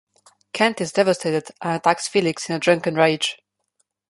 Kent is devastated and attacks Felix in a drunken rage.